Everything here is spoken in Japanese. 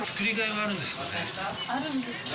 あるんですけど。